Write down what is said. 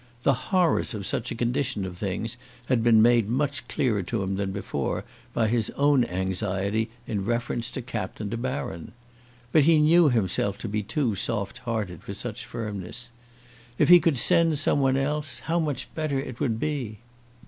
The horrors of such a condition of things had been made much clearer to him than before by his own anxiety in reference to Captain De Baron. But he knew himself to be too soft hearted for such firmness. If he could send some one else, how much better it would be!